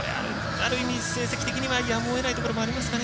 ある意味成績的にはやむをえないところがありますか。